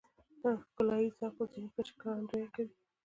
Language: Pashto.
ښکلاييز ذوق او ذهني کچې ښکارندويي کوي .